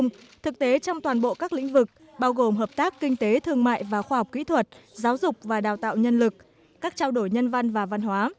nhưng thực tế trong toàn bộ các lĩnh vực bao gồm hợp tác kinh tế thương mại và khoa học kỹ thuật giáo dục và đào tạo nhân lực các trao đổi nhân văn và văn hóa